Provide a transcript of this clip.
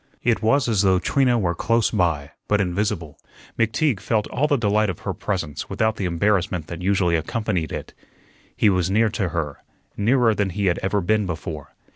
It was as though Trina were close by, but invisible. McTeague felt all the delight of her presence without the embarrassment that usually accompanied it. He was near to her nearer than he had ever been before.